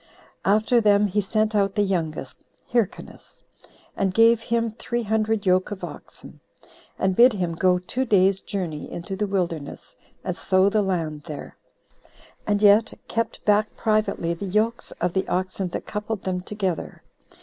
After them he sent out the youngest, Hyrcanus, and gave him three hundred yoke of oxen, and bid him go two days' journey into the wilderness, and sow the land there, and yet kept back privately the yokes of the oxen that coupled them together.